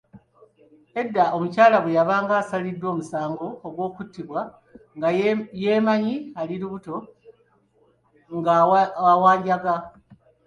Edda omukyala bwe yabanga asaliddwa omusango ogw'okuttibwa nga yeemanyi ali lubuto ng'awanjaga.